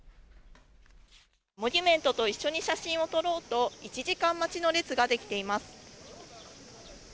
モニュメントと一緒に写真を撮ろうと、１時間待ちの列が出来ています。